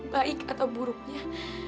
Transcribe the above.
baik atau buruknya